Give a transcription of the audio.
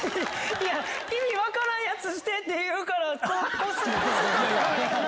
いや、意味分からんやつしてって言うから。